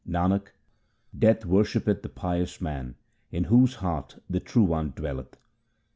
Nanak, Death worshippeth the pious man in whose heart the True One dwelleth.